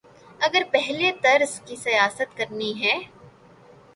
اگر پہلے طرز کی سیاست کرنی ہے۔